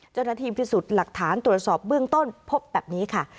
เจ้าหน้าที่พิสูจน์หลักฐานตรวจสอบเบื้องต้นพบแบบนี้ค่ะ